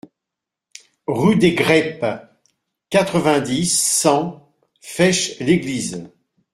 Rue des Greppes, quatre-vingt-dix, cent Fêche-l'Église